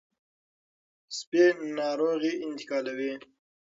سپي ناروغي انتقالوي.